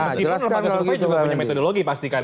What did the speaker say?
meskipun lembaga survei juga punya metodologi pastikan ya